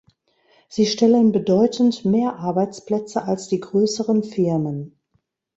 Sie stellen bedeutend mehr Arbeitsplätze als die größeren Firmen.